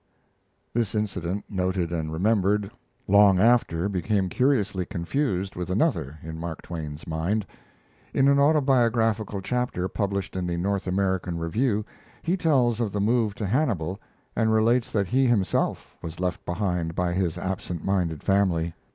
This incident, noted and remembered, long after became curiously confused with another, in Mark Twain's mind. In an autobiographical chapter published in The North American Review he tells of the move to Hannibal and relates that he himself was left behind by his absentminded family.